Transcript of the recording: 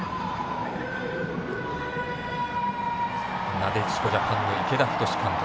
なでしこジャパンの池田太監督。